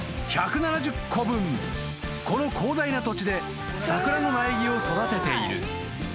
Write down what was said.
［この広大な土地で桜の苗木を育てている］